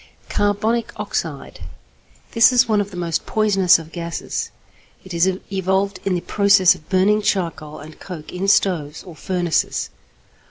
=Carbonic Oxide.= This is one of the most poisonous of gases. It is evolved in the process of burning charcoal and coke in stoves or furnaces.